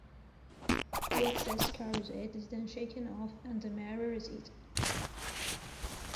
The excess charoset is then shaken off and the maror is eaten.